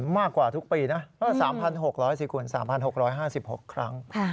มากกว่าทุกปีนะ๓๖๐๐สิคุณ๓๖๕๖ครั้ง